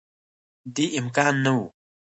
دې امکان نه وو